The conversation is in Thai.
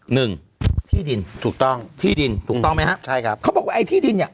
หนึ่งที่ดินถูกต้องที่ดินถูกต้องไหมฮะใช่ครับเขาบอกว่าไอ้ที่ดินเนี้ย